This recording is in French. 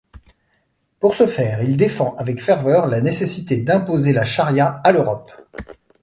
Pour ce faire, il défend avec ferveur la nécessité d’imposer la charia à l’Europe.